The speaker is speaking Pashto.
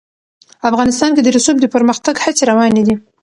افغانستان کې د رسوب د پرمختګ هڅې روانې دي.